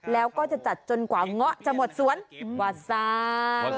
แล้วก็จะจัดจนกว่าเงาะจะหมดสวนวาซา